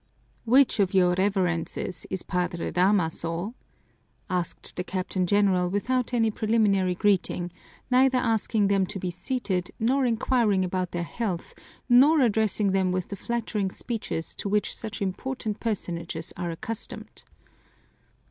"Which of your Reverences is Padre Damaso?" asked the Captain General without any preliminary greeting, neither asking them to be seated nor inquiring about their health nor addressing them with the flattering speeches to which such important personages are accustomed.